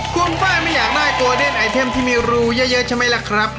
คุณฟ้าค่ะได้ฝาชีเจาะรูไปเลยละกันนะครับ